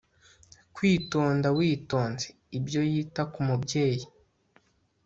kwitonda witonze, ibyo yita ku mubyeyi